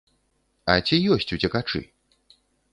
А ці ёсць уцекачы?